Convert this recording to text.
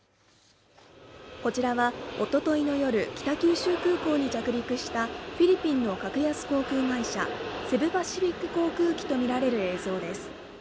こちらはおとといの夜、北九州空港に着陸したフィリピンの格安航空会社セブ・パシフィック航空機と見られる映像です